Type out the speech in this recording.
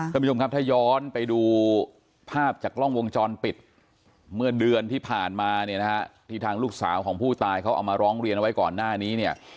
ท่านผู้ชมครับถ้าย้อนไปดูภาพจากกล้องวงจรปิดเมื่อเดือนที่ผ่านมาเนี่ยนะฮะที่ทางลูกสาวของผู้ตายเขาเอามาร้องเรียนเอาไว้ก่อนหน้านี้เนี่ย